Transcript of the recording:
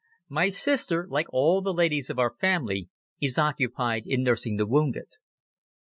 My sister, like all the ladies of our family, is occupied in nursing the wounded.